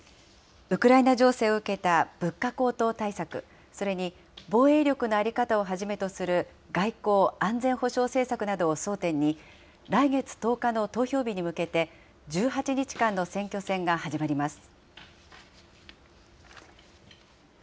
ウクライナ情勢を受けた物価高騰対策、それに防衛力の在り方をはじめとする外交・安全保障政策などを争点に、来月１０日の投票日に向けて、１８日間の選挙戦が始まります。